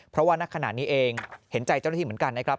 เพราะว่านักขณะนี้เองเห็นใจเจ้าหน้าที่เหมือนกันนะครับ